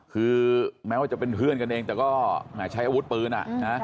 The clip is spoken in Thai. คือแม้ว่าจะเป็นเพื่อนกันเองแต่ก็แหมใช้อาวุธปืนอ่ะนะ